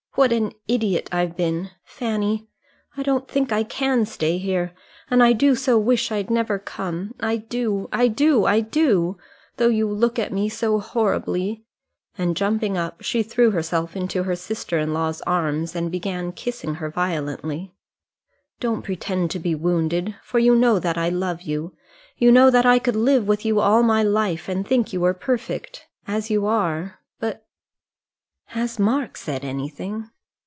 What an idiot I've been! Fanny, I don't think I can stay here; and I do so wish I'd never come. I do I do I do, though you look at me so horribly," and jumping up she threw herself into her sister in law's arms and began kissing her violently. "Don't pretend to be wounded, for you know that I love you. You know that I could live with you all my life, and think you were perfect as you are; but " "Has Mark said anything?"